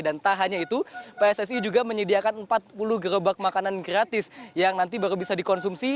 dan tak hanya itu pssi juga menyediakan empat puluh gerobak makanan gratis yang nanti baru bisa dikonsumsi